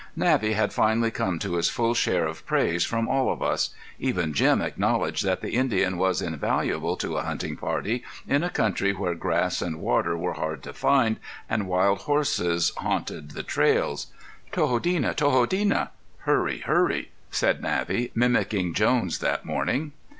Navvy had finally come to his full share of praise from all of us. Even Jim acknowledged that the Indian was invaluable to a hunting party in a country where grass and water were hard to find and wild horses haunted the trails. "Tohodena! Tohodena! (hurry! hurry!)" said Navvy, mimicking Jones that morning.